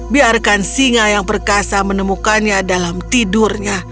biarkan singa yang perkasa menemukannya dalam tidurnya